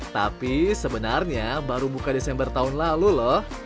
tapi sebenarnya baru buka desember tahun lalu loh